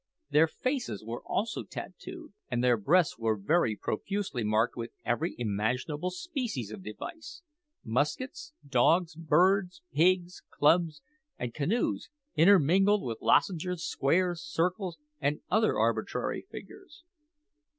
Their faces were also tattooed, and their breasts were very profusely marked with every imaginable species of device muskets, dogs, birds, pigs, clubs, and canoes, intermingled with lozenges, squares, circles, and other arbitrary figures.